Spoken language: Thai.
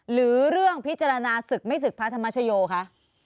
หรือเรื่องพิจารณาศึกไม่ศึกพระธรรมชโยคะ